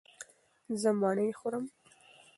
زه مڼې خورم